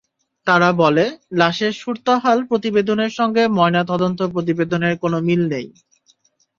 তারা বলে, লাশের সুরতহাল প্রতিবেদনের সঙ্গে ময়নাতদন্ত প্রতিবেদনের কোনো মিল নেই।